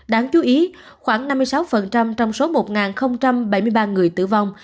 đáng chú ý khoảng năm mươi sáu trong số một bảy mươi ba người tử vong